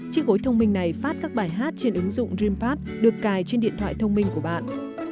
chiếc gối thông minh này phát các bài hát trên ứng dụng dreampad được cài trên điện thoại thông minh của bạn